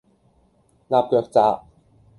鴨腳扎